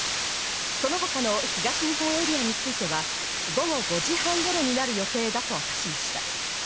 その他の東日本エリアについては午後５時半頃になる予定だと明かしました。